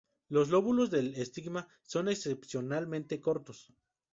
Los lóbulos del estigma son excepcionalmente cortos.